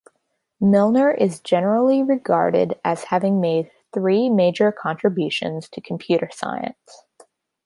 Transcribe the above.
Milner is generally regarded as having made three major contributions to computer science.